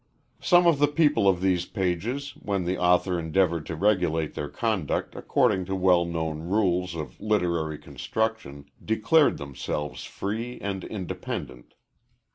Some of the people of these pages, when the author endeavored to regulate their conduct according to well known rules of literary construction, declared themselves free and independent.